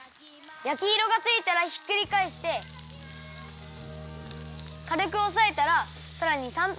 やきいろがついたらひっくりかえしてかるくおさえたらさらに３分ぐらいやくよ。